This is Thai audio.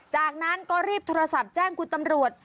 จากนั้นก็รีบโทรศัพท์แจ้งคุณตำรวจ